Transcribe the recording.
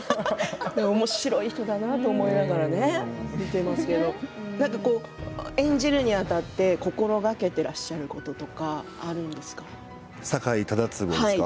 おもしろい人だなと思いながら見ていますけど演じるにあたって心がけていらっしゃることとか酒井忠次ですか？